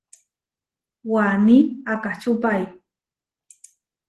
Waní akačúpai.